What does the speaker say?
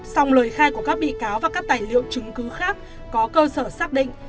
xong lời khai của các bị cáo và các tài liệu chứng cứ khác có cơ sở xác định